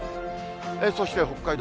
そして北海道